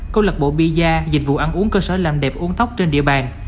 công lập bộ bia dịch vụ ăn uống cơ sở làm đẹp uống tóc trên địa bàn